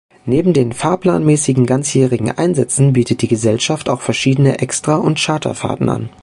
Neben den fahrplanmässigen, ganzjährigen Einsätzen bietet die Gesellschaft auch verschiedene Extra- und Charterfahrten an.